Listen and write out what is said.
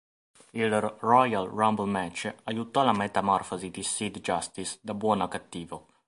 Il Royal Rumble match aiutò la metamorfosi di Sid Justice da buono a cattivo.